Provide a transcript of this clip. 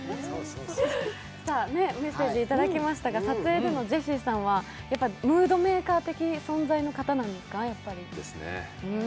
メッセージいただきましたが撮影でもジェシーさんはムードメーカー的存在の方なんですか？